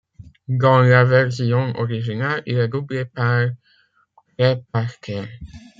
Dans la version originale, il est doublé par Trey Parker.